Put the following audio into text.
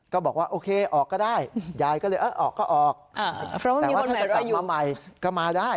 ก็บอกว่าโอเคออกก็ได้ยายก็เลยออกก็ออกแต่ว่าถ้าจะกลับมาใหม่ก็มาได้